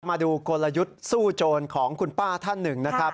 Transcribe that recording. มาดูกลยุทธ์สู้โจรของคุณป้าท่านหนึ่งนะครับ